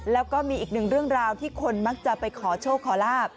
แล้วก็มีอีกหนึ่งเรื่องราวที่คนมักจะไปขอโชคขอลาบ